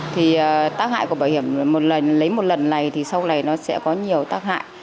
thì tác hại của bảo hiểm lấy một lần này thì sau này nó sẽ có nhiều tác hại